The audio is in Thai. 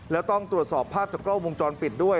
แล้วต้องตรวจสอบภาพจากกล้องวงจรปิดด้วย